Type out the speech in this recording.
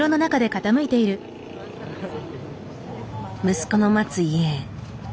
息子の待つ家へ。